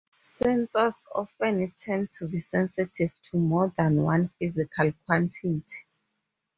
Sensors often tend to be sensitive to more than one physical quantity.